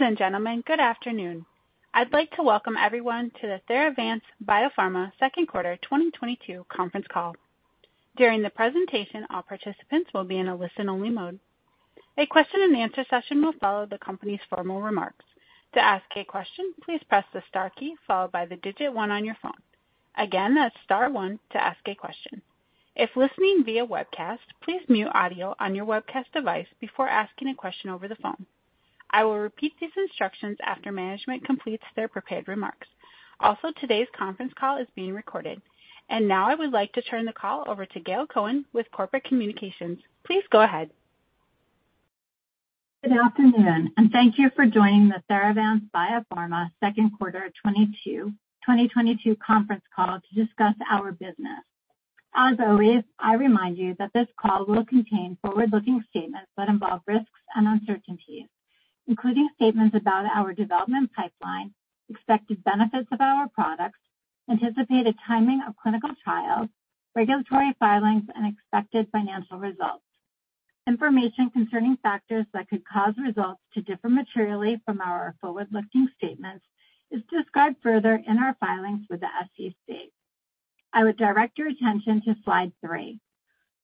Ladies and gentlemen, good afternoon. I'd like to welcome everyone to the Theravance Biopharma second quarter 2022 conference call. During the presentation, all participants will be in a listen-only mode. A question-and-answer session will follow the company's formal remarks. To ask a question, please press the star key followed by the digit one on your phone. Again, that's star one to ask a question. If listening via webcast, please mute audio on your webcast device before asking a question over the phone. I will repeat these instructions after management completes their prepared remarks. Also, today's conference call is being recorded. Now I would like to turn the call over to Gail Cohen with Corporate Communications. Please go ahead. Good afternoon, and thank you for joining the Theravance Biopharma second quarter 2022 conference call to discuss our business. As always, I remind you that this call will contain forward-looking statements that involve risks and uncertainties, including statements about our development pipeline, expected benefits of our products, anticipated timing of clinical trials, regulatory filings, and expected financial results. Information concerning factors that could cause results to differ materially from our forward-looking statements is described further in our filings with the SEC. I would direct your attention to slide three.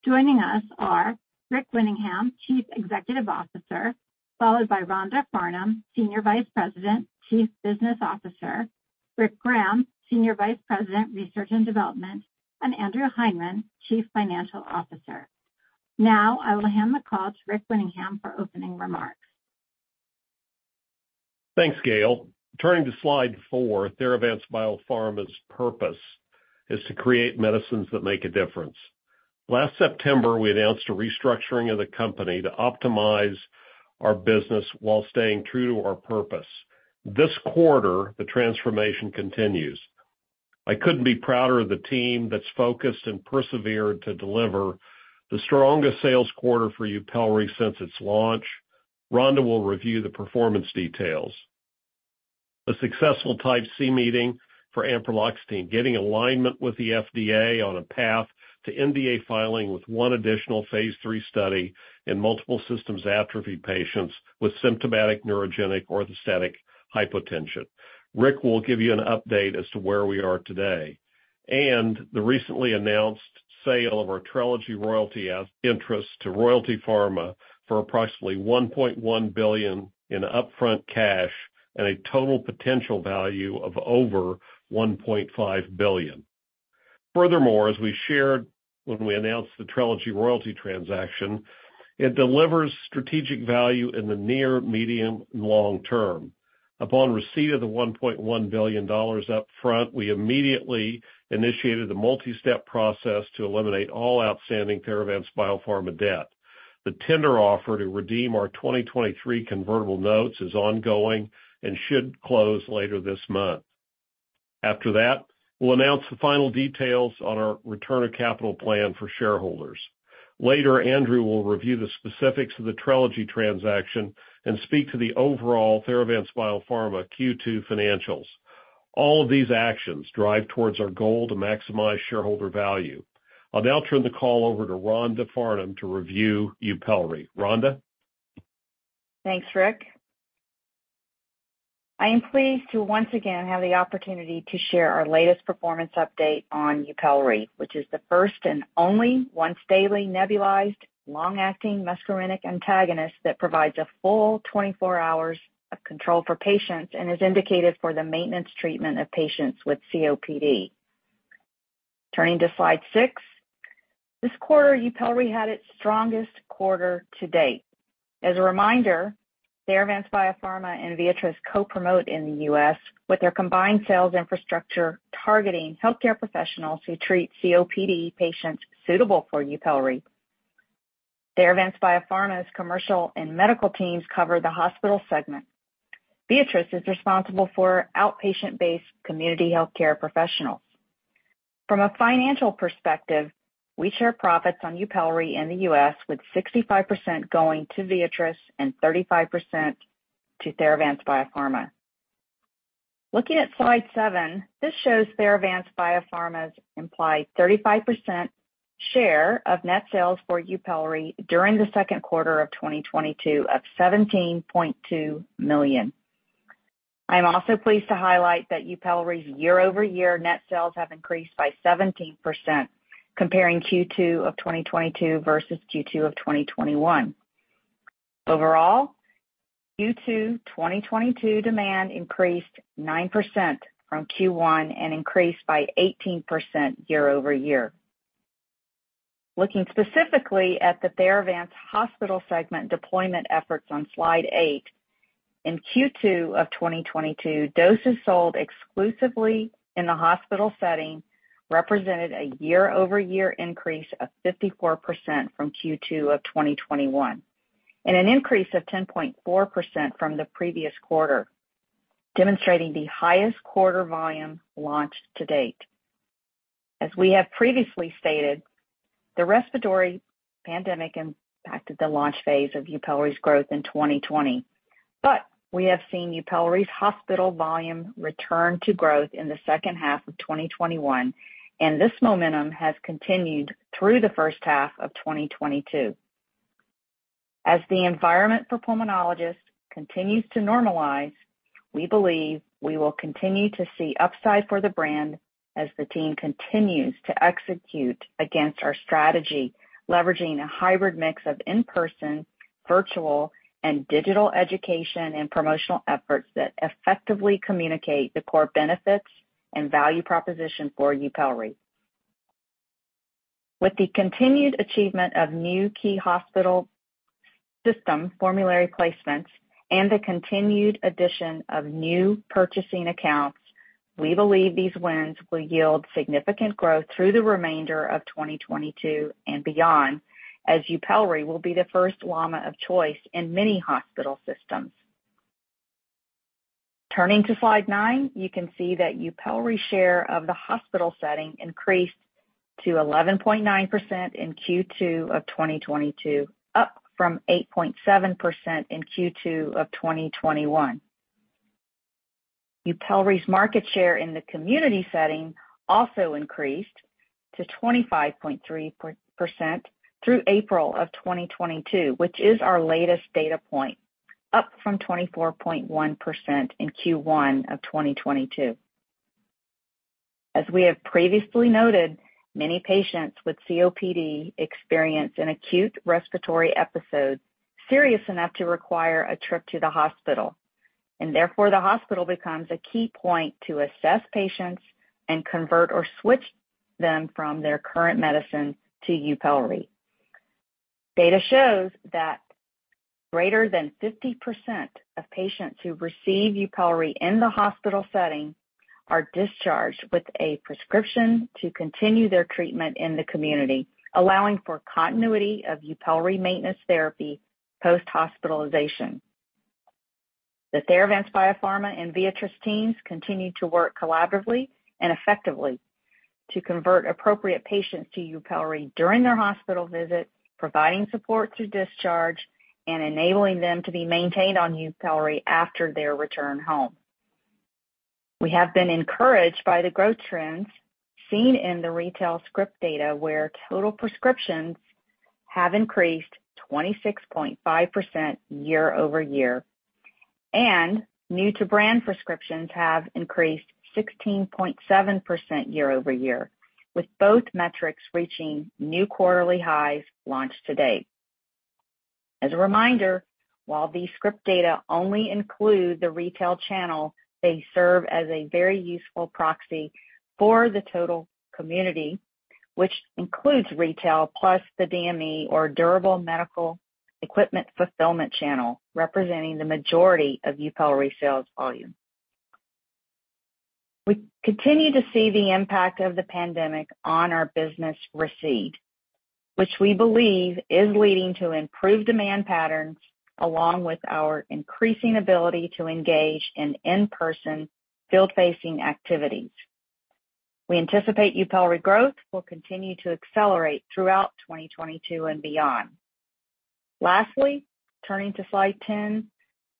Joining us are Rick Winningham, Chief Executive Officer, followed by Rhonda Farnum, Senior Vice President/Chief Business Officer, Rick Graham, Senior Vice President, Research and Development, and Andrew Hindman, Chief Financial Officer. Now, I will hand the call to Rick Winningham for opening remarks. Thanks, Gail. Turning to slide four, Theravance Biopharma's purpose is to create medicines that make a difference. Last September, we announced a restructuring of the company to optimize our business while staying true to our purpose. This quarter, the transformation continues. I couldn't be prouder of the team that's focused and persevered to deliver the strongest sales quarter for YUPELRI since its launch. Rhonda will review the performance details. A successful Type C meeting for ampreloxetine, getting alignment with the FDA on a path to NDA filing with one additional phase III study in multiple system atrophy patients with symptomatic neurogenic orthostatic hypotension. Rick will give you an update as to where we are today. The recently announced sale of our Trelegy royalty interests to Royalty Pharma for approximately $1.1 billion in upfront cash and a total potential value of over $1.5 billion. Furthermore, as we shared when we announced the Trelegy royalty transaction, it delivers strategic value in the near, medium, and long term. Upon receipt of the $1.1 billion up front, we immediately initiated a multi-step process to eliminate all outstanding Theravance Biopharma debt. The tender offer to redeem our 2023 convertible notes is ongoing and should close later this month. After that, we'll announce the final details on our return of capital plan for shareholders. Later, Andrew will review the specifics of the Trelegy transaction and speak to the overall Theravance Biopharma Q2 financials. All of these actions drive towards our goal to maximize shareholder value. I'll now turn the call over to Rhonda Farnum to review YUPELRI. Rhonda. Thanks, Rick. I am pleased to once again have the opportunity to share our latest performance update on YUPELRI, which is the first and only once daily nebulized long-acting muscarinic antagonist that provides a full 24 hours of control for patients and is indicated for the maintenance treatment of patients with COPD. Turning to slide six. This quarter, YUPELRI had its strongest quarter to date. As a reminder, Theravance Biopharma and Viatris co-promote in the U.S. with their combined sales infrastructure targeting healthcare professionals who treat COPD patients suitable for YUPELRI. Theravance Biopharma's commercial and medical teams cover the hospital segment. Viatris is responsible for outpatient-based community healthcare professionals. From a financial perspective, we share profits on YUPELRI in the U.S., with 65% going to Viatris and 35% to Theravance Biopharma. Looking at slide seven, this shows Theravance Biopharma's implied 35% share of net sales for YUPELRI during the second quarter of 2022 of $17.2 million. I'm also pleased to highlight that YUPELRI's year-over-year net sales have increased by 17% comparing Q2 of 2022 versus Q2 of 2021. Overall, Q2 2022 demand increased 9% from Q1 and increased by 18% year-over-year. Looking specifically at the Theravance hospital segment deployment efforts on slide eight, in Q2 of 2022, doses sold exclusively in the hospital setting represented a year-over-year increase of 54% from Q2 of 2021, and an increase of 10.4% from the previous quarter, demonstrating the highest quarter volume launched to date. As we have previously stated, the respiratory pandemic impacted the launch phase of YUPELRI's growth in 2020, but we have seen YUPELRI's hospital volume return to growth in the second half of 2021, and this momentum has continued through the first half of 2022. As the environment for pulmonologists continues to normalize, we believe we will continue to see upside for the brand as the team continues to execute against our strategy, leveraging a hybrid mix of in-person, virtual, and digital education and promotional efforts that effectively communicate the core benefits and value proposition for YUPELRI. With the continued achievement of new key hospital system formulary placements and the continued addition of new purchasing accounts, we believe these wins will yield significant growth through the remainder of 2022 and beyond, as YUPELRI will be the first LAMA of choice in many hospital systems. Turning to slide nine, you can see that YUPELRI share of the hospital setting increased to 11.9% in Q2 of 2022, up from 8.7% in Q2 of 2021. YUPELRI's market share in the community setting also increased to 25.3% through April of 2022, which is our latest data point, up from 24.1% in Q1 of 2022. Many patients with COPD experience an acute respiratory episode serious enough to require a trip to the hospital, and therefore the hospital becomes a key point to assess patients and convert or switch them from their current medicine to YUPELRI. Data shows that greater than 50% of patients who receive YUPELRI in the hospital setting are discharged with a prescription to continue their treatment in the community, allowing for continuity of YUPELRI maintenance therapy post-hospitalization. The Theravance Biopharma and Viatris teams continue to work collaboratively and effectively to convert appropriate patients to YUPELRI during their hospital visit, providing support through discharge and enabling them to be maintained on YUPELRI after their return home. We have been encouraged by the growth trends seen in the retail script data, where total prescriptions have increased 26.5% year-over-year, and new to brand prescriptions have increased 16.7% year-over-year, with both metrics reaching new quarterly highs launched to date. As a reminder, while these script data only include the retail channel, they serve as a very useful proxy for the total community, which includes retail plus the DME or durable medical equipment fulfillment channel, representing the majority of YUPELRI sales volume. We continue to see the impact of the pandemic on our business recede, which we believe is leading to improved demand patterns along with our increasing ability to engage in in-person field-facing activities. We anticipate YUPELRI growth will continue to accelerate throughout 2022 and beyond. Lastly, turning to slide 10,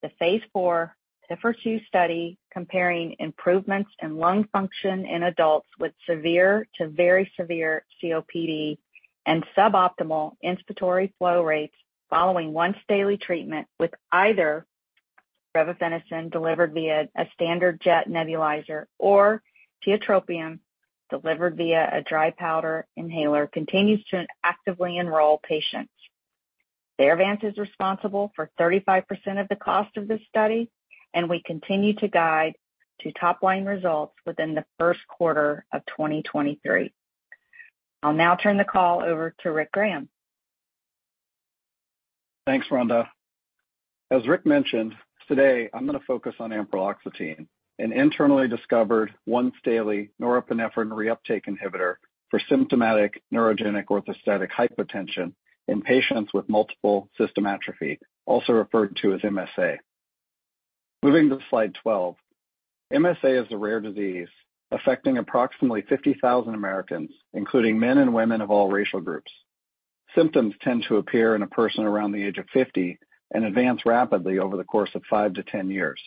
the phase IV PIFR-2 study comparing improvements in lung function in adults with severe to very severe COPD and suboptimal inspiratory flow rates following once daily treatment with either revefenacin delivered via a standard jet nebulizer or tiotropium delivered via a dry powder inhaler continues to actively enroll patients. Theravance is responsible for 35% of the cost of this study, and we continue to guide to top line results within the first quarter of 2023. I'll now turn the call over to Rick Graham. Thanks, Rhonda. As Rick mentioned, today I'm going to focus on ampreloxetine, an internally discovered once-daily norepinephrine reuptake inhibitor for symptomatic neurogenic orthostatic hypotension in patients with multiple system atrophy, also referred to as MSA. Moving to slide 12. MSA is a rare disease affecting approximately 50,000 Americans, including men and women of all racial groups. Symptoms tend to appear in a person around the age of 50 and advance rapidly over the course of five-10 years.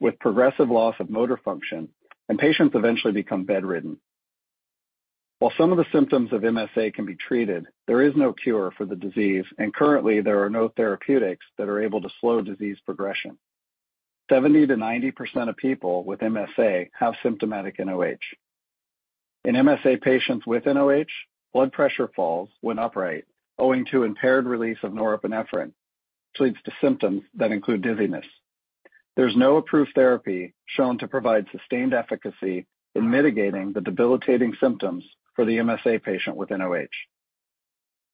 With progressive loss of motor function, patients eventually become bedridden. While some of the symptoms of MSA can be treated, there is no cure for the disease, and currently there are no therapeutics that are able to slow disease progression. 70%-90% of people with MSA have symptomatic nOH. In MSA patients with nOH, blood pressure falls when upright, owing to impaired release of norepinephrine, which leads to symptoms that include dizziness. There's no approved therapy shown to provide sustained efficacy in mitigating the debilitating symptoms for the MSA patient with nOH.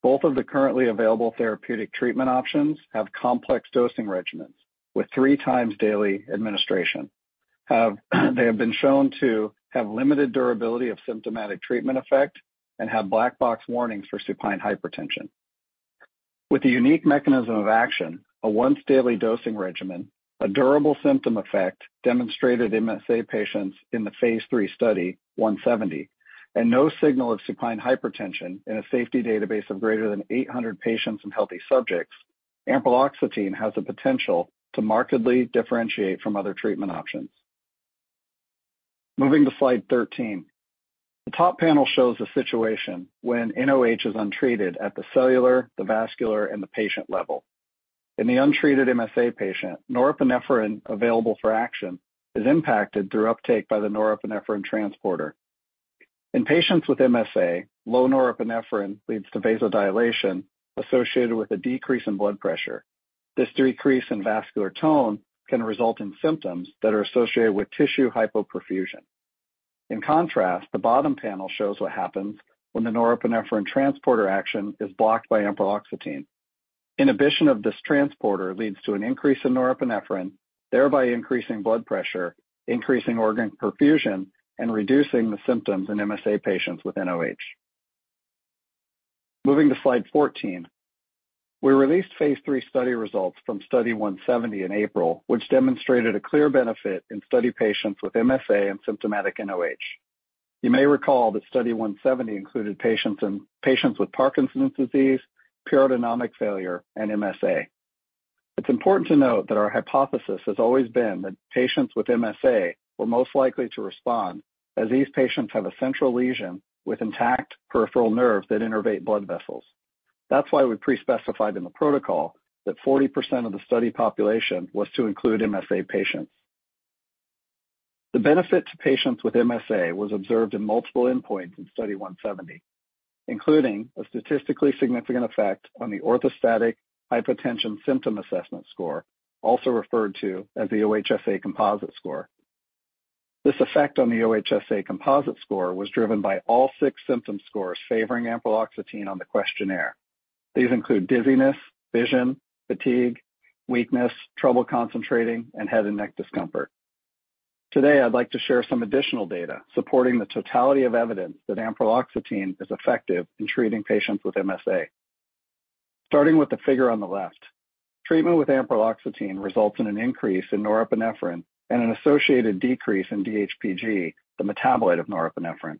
Both of the currently available therapeutic treatment options have complex dosing regimens with three times daily administration. They have been shown to have limited durability of symptomatic treatment effect and have black box warnings for supine hypertension. With the unique mechanism of action, a once daily dosing regimen, a durable symptom effect demonstrated in MSA patients in the phase III Study 170, and no signal of supine hypertension in a safety database of greater than 800 patients and healthy subjects. Ampreloxetine has the potential to markedly differentiate from other treatment options. Moving to slide 13. The top panel shows a situation when nOH is untreated at the cellular, the vascular, and the patient level. In the untreated MSA patient, norepinephrine available for action is impacted through uptake by the norepinephrine transporter. In patients with MSA, low norepinephrine leads to vasodilation associated with a decrease in blood pressure. This decrease in vascular tone can result in symptoms that are associated with tissue hypoperfusion. In contrast, the bottom panel shows what happens when the norepinephrine transporter action is blocked by ampreloxetine. Inhibition of this transporter leads to an increase in norepinephrine, thereby increasing blood pressure, increasing organ perfusion, and reducing the symptoms in MSA patients with nOH. Moving to slide 14. We released phase III study results from Study 170 in April, which demonstrated a clear benefit in study patients with MSA and symptomatic nOH. You may recall that Study 170 included patients with Parkinson's disease, pure autonomic failure, and MSA. It's important to note that our hypothesis has always been that patients with MSA were most likely to respond, as these patients have a central lesion with intact peripheral nerves that innervate blood vessels. That's why we pre-specified in the protocol that 40% of the study population was to include MSA patients. The benefit to patients with MSA was observed in multiple endpoints in Study 170, including a statistically significant effect on the orthostatic hypotension symptom assessment score, also referred to as the OHSA composite score. This effect on the OHSA composite score was driven by all six symptom scores favoring ampreloxetine on the questionnaire. These include dizziness, vision, fatigue, weakness, trouble concentrating, and head and neck discomfort. Today, I'd like to share some additional data supporting the totality of evidence that ampreloxetine is effective in treating patients with MSA. Starting with the figure on the left. Treatment with ampreloxetine results in an increase in norepinephrine and an associated decrease in DHPG, the metabolite of norepinephrine.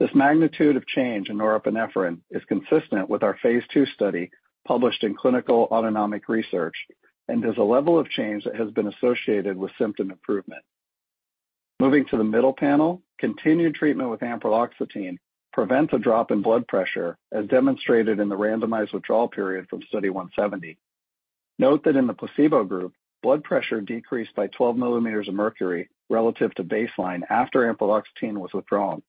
This magnitude of change in norepinephrine is consistent with our phase II study published in Clinical Autonomic Research and is a level of change that has been associated with symptom improvement. Moving to the middle panel, continued treatment with ampreloxetine prevents a drop in blood pressure, as demonstrated in the randomized withdrawal period from Study 170. Note that in the placebo group, blood pressure decreased by 12 millimeters of mercury relative to baseline after ampreloxetine was withdrawn.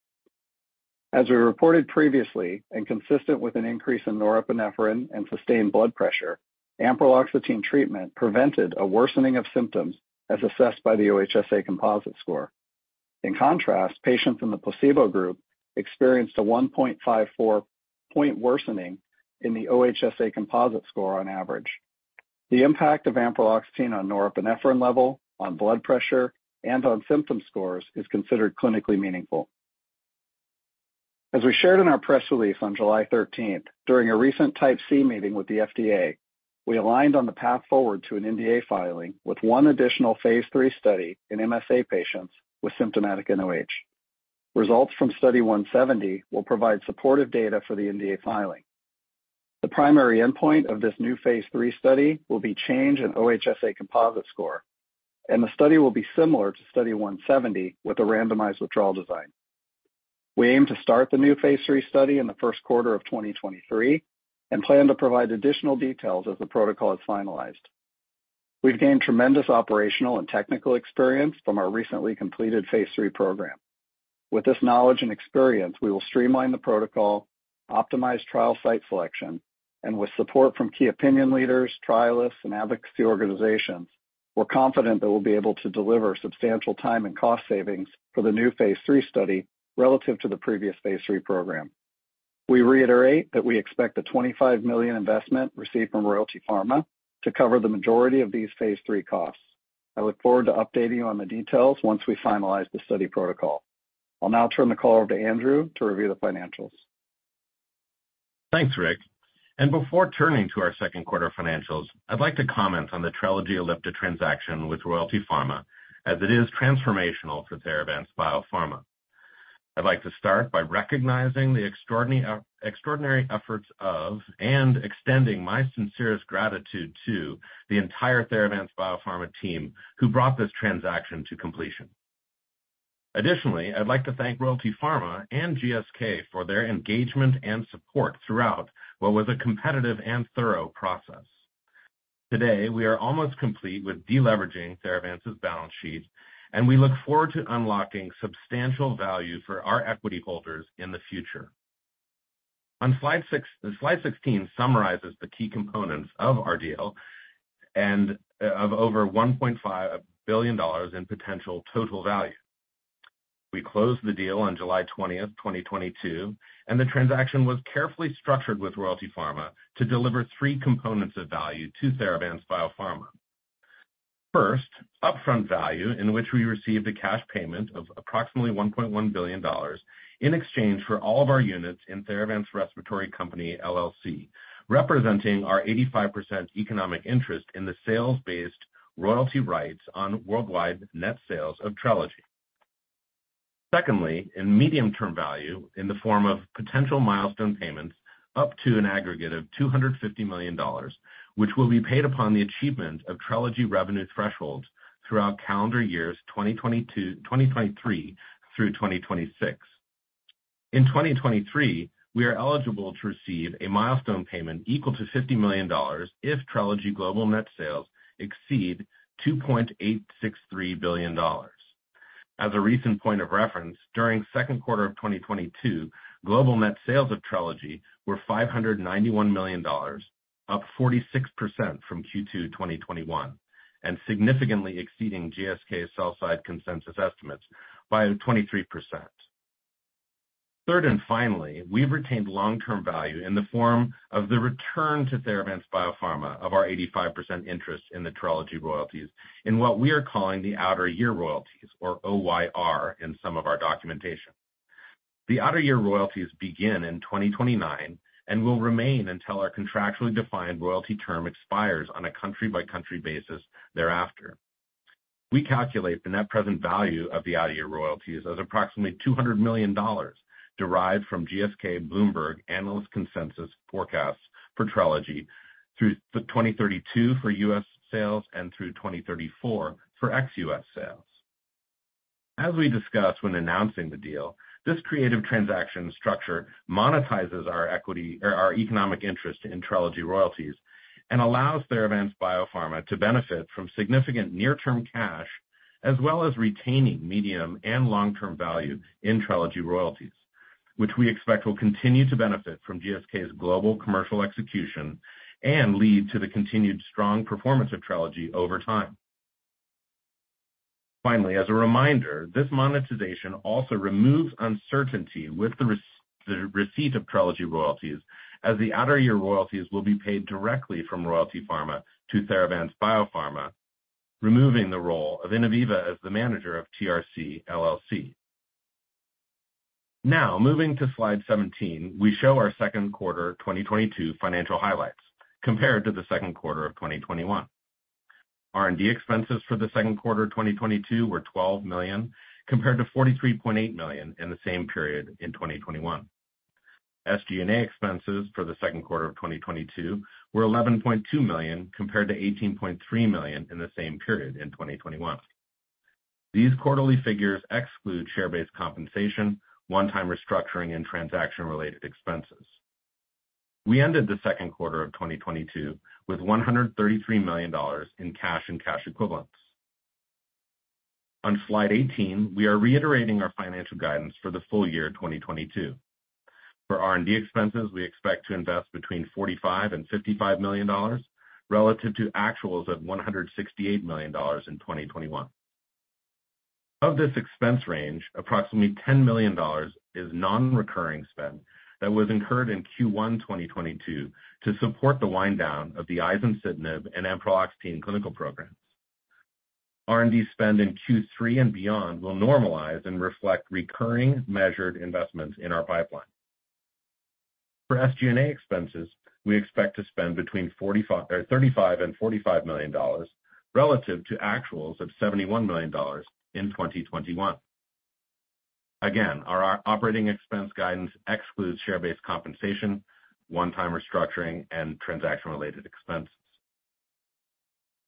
As we reported previously and consistent with an increase in norepinephrine and sustained blood pressure, ampreloxetine treatment prevented a worsening of symptoms as assessed by the OHSA composite score. In contrast, patients in the placebo group experienced a 1.5-4 point worsening in the OHSA composite score on average. The impact of ampreloxetine on norepinephrine level, on blood pressure, and on symptom scores is considered clinically meaningful. As we shared in our press release on July 13, during a recent Type C meeting with the FDA, we aligned on the path forward to an NDA filing with one additional phase III study in MSA patients with symptomatic nOH. Results from Study 170 will provide supportive data for the NDA filing. The primary endpoint of this new phase III study will be change in OHSA composite score, and the study will be similar to Study 170 with a randomized withdrawal design. We aim to start the new phase III study in the first quarter of 2023 and plan to provide additional details as the protocol is finalized. We've gained tremendous operational and technical experience from our recently completed phase III program. With this knowledge and experience, we will streamline the protocol, optimize trial site selection, and with support from key opinion leaders, trialists, and advocacy organizations, we're confident that we'll be able to deliver substantial time and cost savings for the new phase III study relative to the previous phase III program. We reiterate that we expect the $25 million investment received from Royalty Pharma to cover the majority of these phase III costs. I look forward to updating you on the details once we finalize the study protocol. I'll now turn the call over to Andrew to review the financials. Thanks, Rick. Before turning to our second quarter financials, I'd like to comment on the Trelegy Ellipta transaction with Royalty Pharma as it is transformational for Theravance Biopharma. I'd like to start by recognizing the extraordinary efforts, and extending my sincerest gratitude to the entire Theravance Biopharma team who brought this transaction to completion. Additionally, I'd like to thank Royalty Pharma and GSK for their engagement and support throughout what was a competitive and thorough process. Today, we are almost complete with deleveraging Theravance's balance sheet, and we look forward to unlocking substantial value for our equity holders in the future. On slide sixteen summarizes the key components of our deal and of over $1.5 billion in potential total value. We closed the deal on July 20, 2022, and the transaction was carefully structured with Royalty Pharma to deliver three components of value to Theravance Biopharma. First, upfront value in which we received a cash payment of approximately $1.1 billion in exchange for all of our units in Theravance Respiratory Company, LLC, representing our 85% economic interest in the sales-based royalty rights on worldwide net sales of Trelegy. Secondly, medium-term value in the form of potential milestone payments up to an aggregate of $250 million, which will be paid upon the achievement of Trelegy revenue thresholds throughout calendar years 2022-2023 through 2026. In 2023, we are eligible to receive a milestone payment equal to $50 million if Trelegy global net sales exceed $2.863 billion. As a recent point of reference, during second quarter of 2022, global net sales of Trelegy were $591 million, up 46% from Q2 2021, and significantly exceeding GSK's sell-side consensus estimates by 23%. Third, and finally, we've retained long-term value in the form of the return to Theravance Biopharma of our 85% interest in the Trelegy royalties in what we are calling the outer year royalties, or OYR in some of our documentation. The outer year royalties begin in 2029 and will remain until our contractually defined royalty term expires on a country-by-country basis thereafter. We calculate the net present value of the outer year royalties as approximately $200 million, derived from GSK Bloomberg analyst consensus forecasts for Trelegy through 2032 for U.S. sales and through 2034 for ex-U.S. sales. As we discussed when announcing the deal, this creative transaction structure monetizes our equity or our economic interest in Trelegy royalties and allows Theravance Biopharma to benefit from significant near-term cash as well as retaining medium and long-term value in Trelegy royalties, which we expect will continue to benefit from GSK's global commercial execution and lead to the continued strong performance of Trelegy over time. Finally, as a reminder, this monetization also removes uncertainty with the receipt of Trelegy royalties as the out-year royalties will be paid directly from Royalty Pharma to Theravance Biopharma, removing the role of Innoviva as the manager of TRC LLC. Now, moving to slide 17, we show our second quarter 2022 financial highlights compared to the second quarter of 2021. R&D expenses for the second quarter 2022 were $12 million, compared to $43.8 million in the same period in 2021. SG&A expenses for the second quarter of 2022 were $11.2 million, compared to $18.3 million in the same period in 2021. These quarterly figures exclude share-based compensation, one-time restructuring, and transaction-related expenses. We ended the second quarter of 2022 with $133 million in cash and cash equivalents. On slide 18, we are reiterating our financial guidance for the full year 2022. For R&D expenses, we expect to invest between $45 million and $55 million relative to actuals of $168 million in 2021. Of this expense range, approximately $10 million is non-recurring spend that was incurred in Q1 2022 to support the wind down of the izencitinib and ampreloxetine clinical programs. R&D spend in Q3 and beyond will normalize and reflect recurring measured investments in our pipeline. For SG&A expenses, we expect to spend between $35 million and $45 million relative to actuals of $71 million in 2021. Again, our operating expense guidance excludes share-based compensation, one-time restructuring, and transaction-related expenses.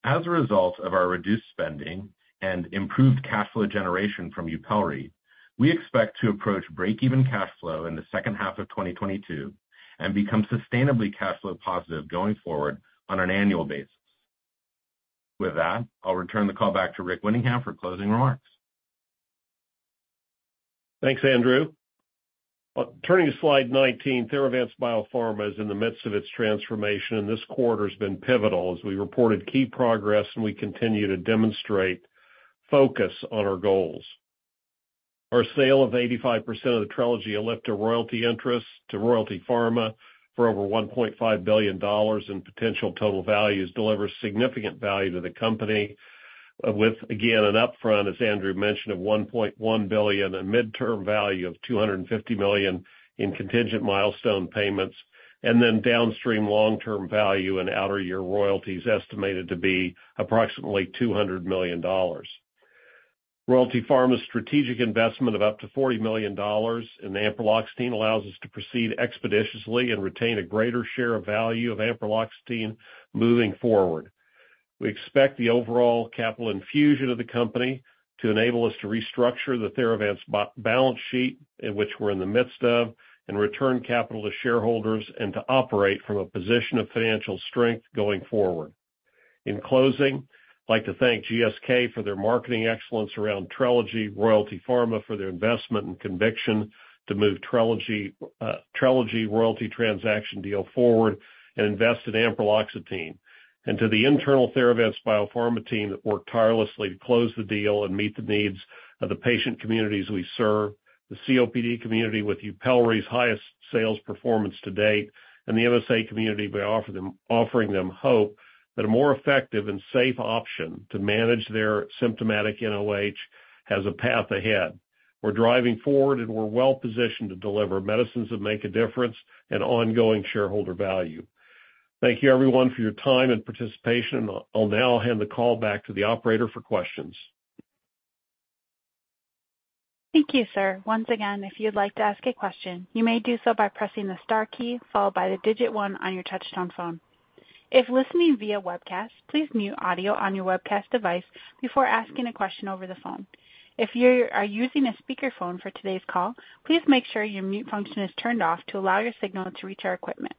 As a result of our reduced spending and improved cash flow generation from YUPELRI, we expect to approach break-even cash flow in the second half of 2022 and become sustainably cash flow positive going forward on an annual basis. With that, I'll return the call back to Rick Winningham for closing remarks. Thanks, Andrew. Turning to slide 19, Theravance Biopharma is in the midst of its transformation, and this quarter's been pivotal as we reported key progress, and we continue to demonstrate focus on our goals. Our sale of 85% of the Trelegy Ellipta royalty interest to Royalty Pharma for over $1.5 billion in potential total values delivers significant value to the company with again an upfront, as Andrew mentioned, of $1.1 billion, a midterm value of $250 million in contingent milestone payments, and then downstream long-term value in out-year royalties estimated to be approximately $200 million. Royalty Pharma's strategic investment of up to $40 million in ampreloxetine allows us to proceed expeditiously and retain a greater share of value of ampreloxetine moving forward. We expect the overall capital infusion of the company to enable us to restructure the Theravance balance sheet in which we're in the midst of and return capital to shareholders and to operate from a position of financial strength going forward. In closing, I'd like to thank GSK for their marketing excellence around Trelegy, Royalty Pharma for their investment and conviction to move Trelegy royalty transaction deal forward and invest in ampreloxetine. To the internal Theravance Biopharma team that worked tirelessly to close the deal and meet the needs of the patient communities we serve, the COPD community with YUPELRI's highest sales performance to date, and the MSA community by offering them hope that a more effective and safe option to manage their symptomatic nOH has a path ahead. We're driving forward, and we're well-positioned to deliver medicines that make a difference and ongoing shareholder value. Thank you everyone for your time and participation. I'll now hand the call back to the operator for questions. Thank you, sir. Once again, if you'd like to ask a question, you may do so by pressing the star key followed by the digit one on your touchtone phone. If listening via webcast, please mute audio on your webcast device before asking a question over the phone. If you are using a speakerphone for today's call, please make sure your mute function is turned off to allow your signal to reach our equipment.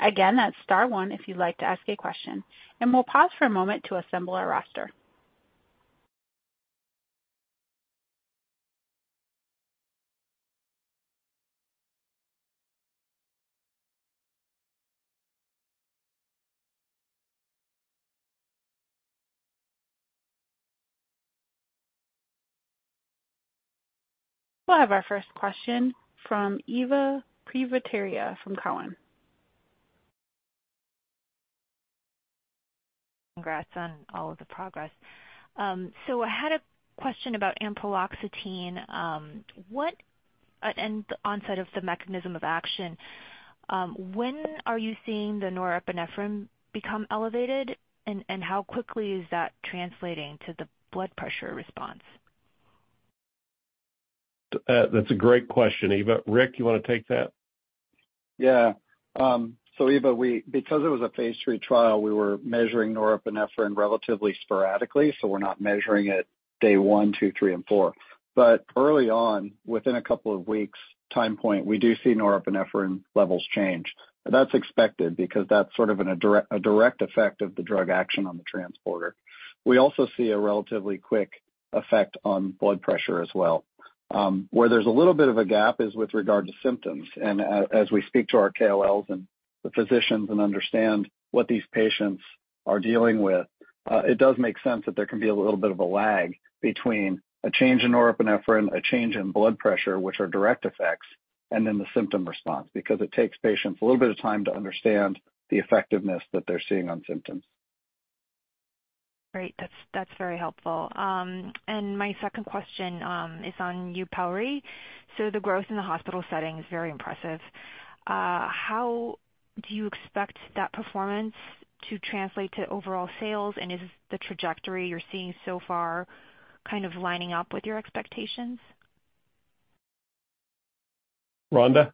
Again, that's star one if you'd like to ask a question, and we'll pause for a moment to assemble our roster. We'll have our first question from Eva Privitera from Cowen. Congrats on all of the progress. I had a question about ampreloxetine and the onset of the mechanism of action. When are you seeing the norepinephrine become elevated? How quickly is that translating to the blood pressure response? That's a great question, Eva. Rick, you wanna take that? Yeah. Eva, because it was a phase III trial, we were measuring norepinephrine relatively sporadically, so we're not measuring it day one, two, three and four. Early on, within a couple of weeks time point, we do see norepinephrine levels change. That's expected because that's sort of a direct effect of the drug action on the transporter. We also see a relatively quick effect on blood pressure as well. Where there's a little bit of a gap is with regard to symptoms. As we speak to our KOLs and the physicians and understand what these patients are dealing with, it does make sense that there can be a little bit of a lag between a change in norepinephrine, a change in blood pressure, which are direct effects, and then the symptom response, because it takes patients a little bit of time to understand the effectiveness that they're seeing on symptoms. Great. That's very helpful. My second question is on YUPELRI. The growth in the hospital setting is very impressive. How do you expect that performance to translate to overall sales? Is the trajectory you're seeing so far kind of lining up with your expectations? Rhonda?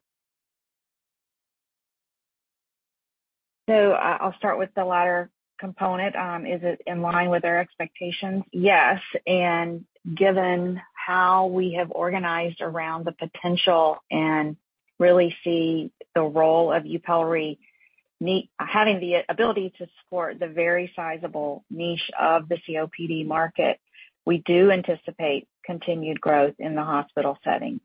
I'll start with the latter component. Is it in line with our expectations? Yes. Given how we have organized around the potential and really see the role of YUPELRI in having the ability to serve the very sizable niche of the COPD market, we do anticipate continued growth in the hospital setting.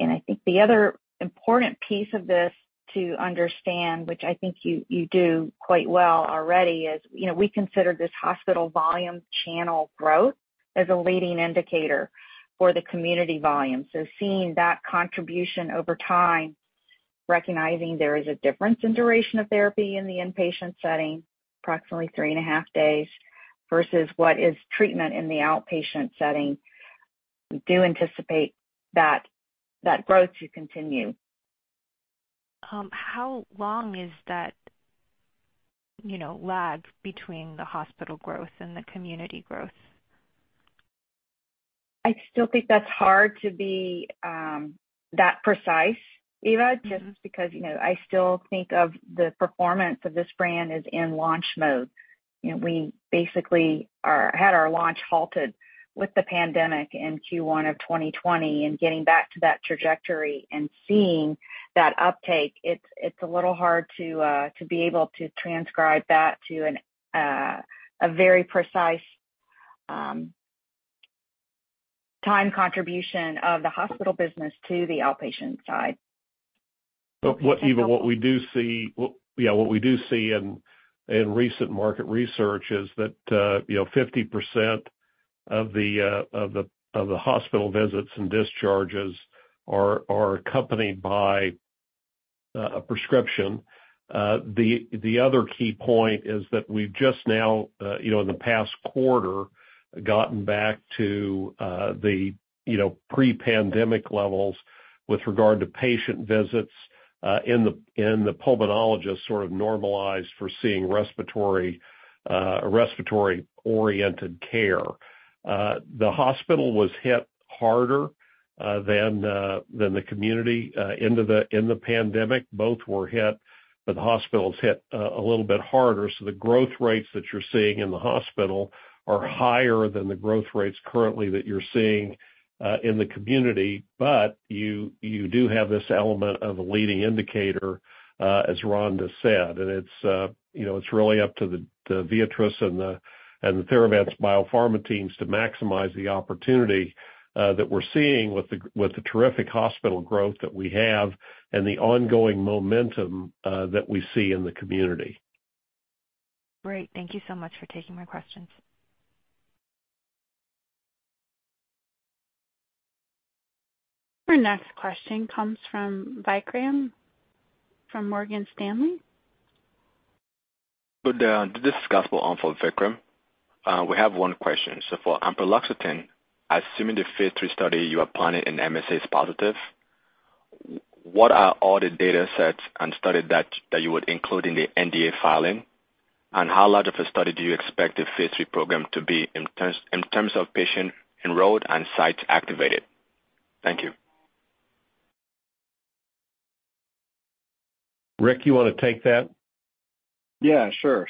I think the other important piece of this to understand, which I think you do quite well already, is, you know, we consider this hospital volume channel growth as a leading indicator for the community volume. Seeing that contribution over time, recognizing there is a difference in duration of therapy in the inpatient setting, approximately 3.5 days, versus what is treatment in the outpatient setting, we do anticipate that growth to continue. How long is that, you know, lag between the hospital growth and the community growth? I still think that's hard to be that precise, Eva, just because, you know, I still think of the performance of this brand as in launch mode. You know, we basically had our launch halted with the pandemic in Q1 of 2020, and getting back to that trajectory and seeing that uptake, it's a little hard to be able to transcribe that to a very precise time contribution of the hospital business to the outpatient side. Eva, yeah, what we do see in recent market research is that, you know, 50% of the hospital visits and discharges are accompanied by a prescription. The other key point is that we've just now, you know, in the past quarter, gotten back to the, you know, pre-pandemic levels with regard to patient visits in the pulmonologist sort of normalized for seeing respiratory-oriented care. The hospital was hit harder than the community in the pandemic. Both were hit, but the hospital was hit a little bit harder. The growth rates that you're seeing in the hospital are higher than the growth rates currently that you're seeing in the community. You do have this element of a leading indicator, as Rhonda said. It's, you know, really up to the Viatris and the Theravance Biopharma teams to maximize the opportunity that we're seeing with the terrific hospital growth that we have and the ongoing momentum that we see in the community. Great. Thank you so much for taking my questions. Our next question comes from Vikram from Morgan Stanley. This is for Vikram. We have one question. For ampreloxetine, assuming the phase III study you are planning in MSA is positive, what are all the data sets and studies that you would include in the NDA filing? How large of a study do you expect the phase III program to be in terms of patients enrolled and sites activated? Thank you. Rick, you wanna take that? Yeah, sure.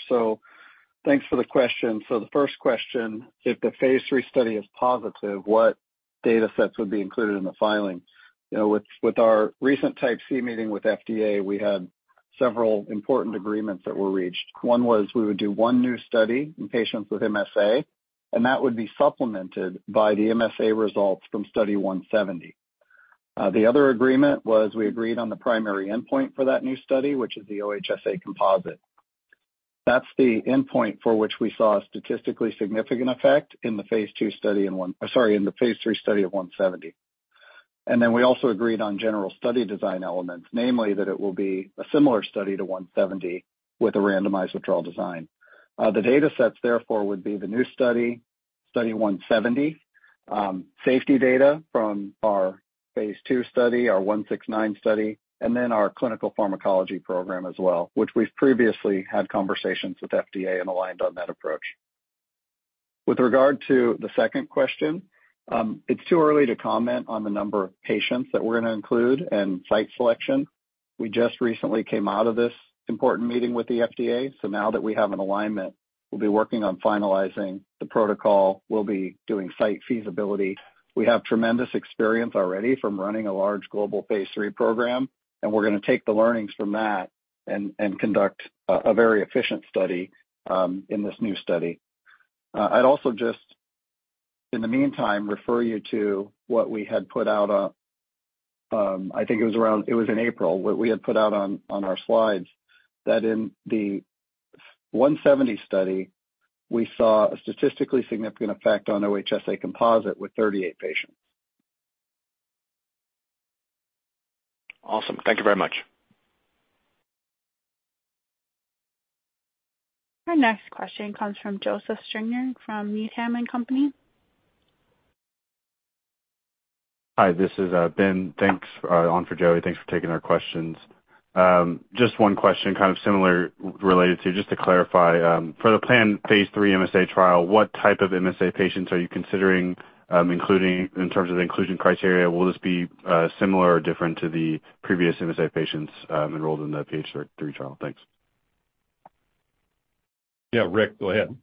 Thanks for the question. The first question, if the phase III study is positive, what data sets would be included in the filing? You know, with our recent Type C meeting with FDA, we had several important agreements that were reached. One was we would do one new study in patients with MSA, and that would be supplemented by the MSA results from Study 170. The other agreement was we agreed on the primary endpoint for that new study, which is the OHSA composite. That's the endpoint for which we saw a statistically significant effect in the phase III study of 170. Then we also agreed on general study design elements, namely that it will be a similar study to 170 with a randomized withdrawal design. The data sets therefore would be the new study, Study 170, safety data from our phase II study, our Study 169 study, and then our clinical pharmacology program as well, which we've previously had conversations with FDA and aligned on that approach. With regard to the second question, it's too early to comment on the number of patients that we're gonna include and site selection. We just recently came out of this important meeting with the FDA, so now that we have an alignment, we'll be working on finalizing the protocol. We'll be doing site feasibility. We have tremendous experience already from running a large global phase III program, and we're gonna take the learnings from that and conduct a very efficient study in this new study. I'd also just, in the meantime, refer you to what we had put out in April on our slides, that in the Study 170, we saw a statistically significant effect on OHSA composite with 38 patients. Awesome. Thank you very much. Our next question comes from Joseph Stringer, from Needham & Company. Hi, this is Ben. Thanks on for Joey. Thanks for taking our questions. Just one question, kind of similar related to, just to clarify. For the planned phase III MSA trial, what type of MSA patients are you considering including in terms of inclusion criteria? Will this be similar or different to the previous MSA patients enrolled in the phase III trial? Thanks. Yeah, Rick, go ahead.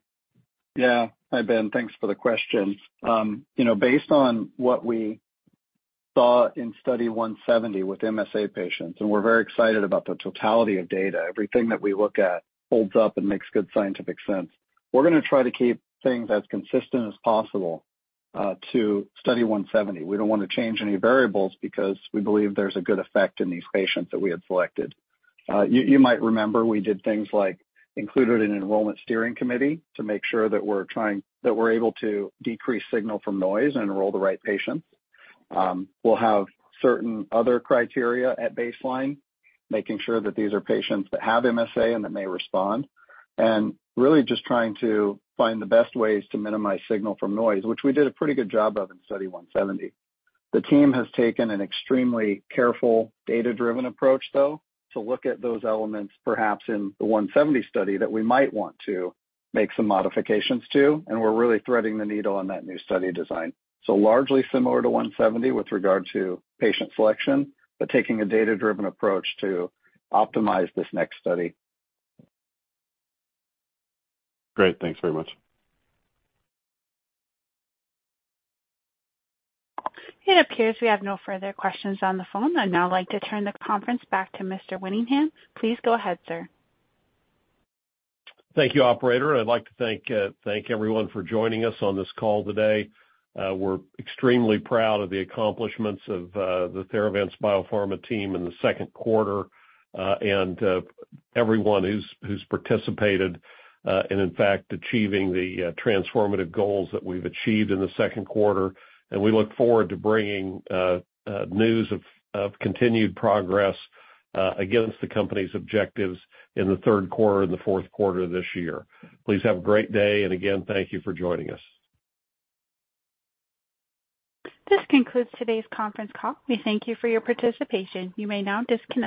Yeah. Hi, Ben. Thanks for the question. You know, based on what we saw in Study 170 with MSA patients, we're very excited about the totality of data. Everything that we look at holds up and makes good scientific sense. We're gonna try to keep things as consistent as possible, to Study 170. We don't wanna change any variables because we believe there's a good effect in these patients that we have selected. You might remember we did things like included an enrollment steering committee to make sure that we're able to decrease signal from noise and enroll the right patients. We'll have certain other criteria at baseline, making sure that these are patients that have MSA and that may respond. Really just trying to find the best ways to minimize signal from noise, which we did a pretty good job of in Study 170. The team has taken an extremely careful data-driven approach though, to look at those elements perhaps in the Study 170 that we might want to make some modifications to. We're really threading the needle on that new study design. Largely similar to Study 170 with regard to patient selection, but taking a data-driven approach to optimize this next study. Great. Thanks very much. It appears we have no further questions on the phone. I'd now like to turn the conference back to Mr. Winningham. Please go ahead, sir. Thank you, operator. I'd like to thank everyone for joining us on this call today. We're extremely proud of the accomplishments of the Theravance Biopharma team in the second quarter. Everyone who's participated and in fact achieving the transformative goals that we've achieved in the second quarter. We look forward to bringing news of continued progress against the company's objectives in the third quarter and the fourth quarter this year. Please have a great day, and again, thank you for joining us. This concludes today's conference call. We thank you for your participation. You may now disconnect.